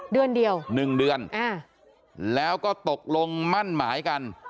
เดือนเดียว๑เดือนแล้วก็ตกลงมั่นหมายกัน